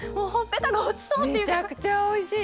めちゃくちゃおいしい！